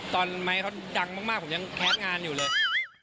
ไมค์เขาดังมากผมยังแคสงานอยู่เลย